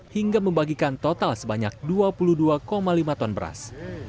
hingga membagikan total sebanyak dua puluh dua lima ton beras